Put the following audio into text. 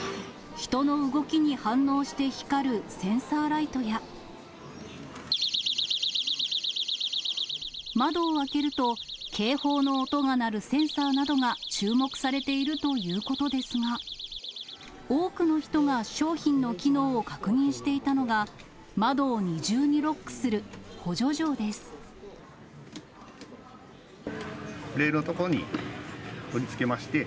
人の動きに反応して光るセンサーライトや、窓を開けると、警報の音が鳴るセンサーなどが注目されているということですが、多くの人が商品の機能を確認していたのが、レールの所に取り付けまして、